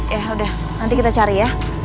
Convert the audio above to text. ya udah nanti kita cari ya